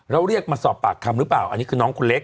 แล้วเรียกมาสอบปากคำหรือเปล่าอันนี้คือน้องคนเล็ก